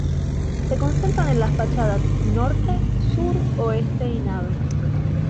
Se concentran en las fachadas norte, sur, oeste y nave.